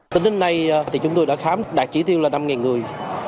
tính đến nay chúng tôi đã khám đạt chỉ tiêu là năm người